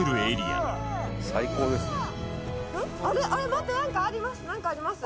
待って何かあります